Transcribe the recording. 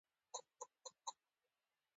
وګړي د افغانستان طبعي ثروت دی.